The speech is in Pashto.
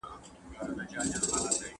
سل کوډ گر، يو غيبتگر.